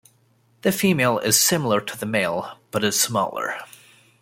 The female is similar to the male, but is smaller.